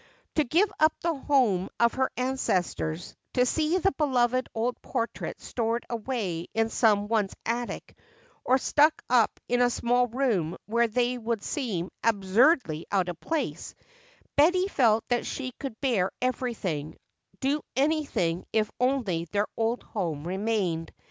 To give up the home of her ancestors, to see the beloved old portraits stored away in some one's attic or stuck up in a small room where they would seem absurdly out of place, Betty felt that she could bear everything, do anything if only their old home remained!